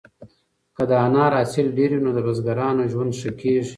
که د انار حاصل ډېر وي نو د بزګرانو ژوند ښه کیږي.